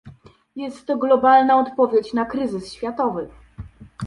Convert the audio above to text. Jest to globalna odpowiedź na kryzys światowy